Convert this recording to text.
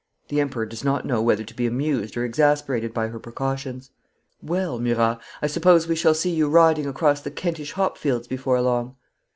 The Emperor does not know whether to be amused or exasperated by her precautions. Well, Murat, I suppose we shall see you riding across the Kentish hop fields before long.'